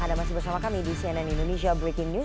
anda masih bersama kami di cnn indonesia breaking news